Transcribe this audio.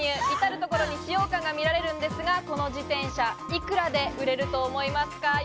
いたるところに使用感が見られるのですが、この自転車、幾らで売れると思いますか？